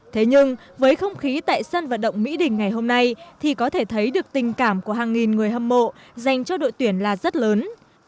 thế nhưng với không khí tại sân vận động mỹ đình ngày hôm nay thì có thể thấy được tình cảm của hàng nghìn người hâm mộ dành cho đội tuyển là rất lớn